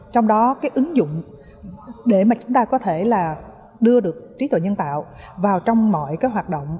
trong đó ứng dụng để chúng ta có thể đưa được trí tuệ nhân tạo vào trong mọi hoạt động